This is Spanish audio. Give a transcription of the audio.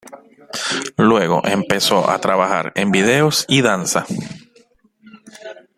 Luego empezó a trabajar en videos y danza.